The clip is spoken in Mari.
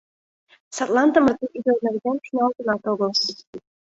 Садлан тымарте ӱдыр нерген шоналтынат огыл.